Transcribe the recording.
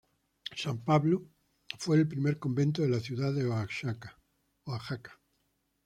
San Pablo fue el primer convento de la ciudad de Oaxaca.